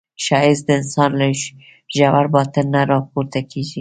ښایست د انسان له ژور باطن نه راپورته کېږي